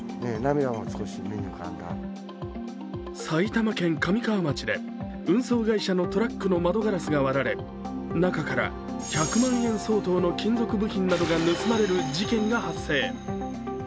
埼玉県神川町で運送会社のトラックの窓ガラスが割られ中から１００万円相当の金属部品などが盗まれる事件が発生。